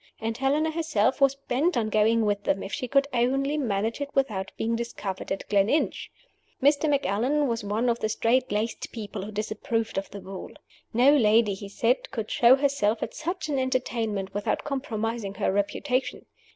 And Helena herself was bent on going with them, if she could only manage it without being discovered at Gleninch. Mr. Macallan was one of the strait laced people who disapproved of the ball. No lady, he said, could show herself at such an entertainment without compromising her reputation.